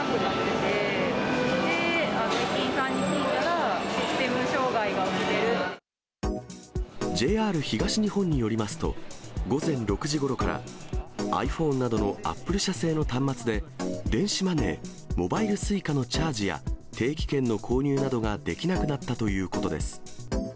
で、駅員さんに聞いたら、システＪＲ東日本によりますと、午前６時ごろから、ｉＰｈｏｎｅなどのＡｐｐｌｅ社製の端末で、電子マネー、モバイルＳｕｉｃａのチャージや、定期券の購入などができなくなったということです。